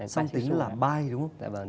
song tính là bi đúng không